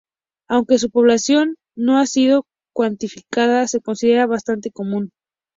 Aunque su población no ha sido cuantificada, se considera bastante común.